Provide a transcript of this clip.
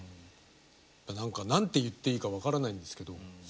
だから何か何て言っていいか分からないんですけど。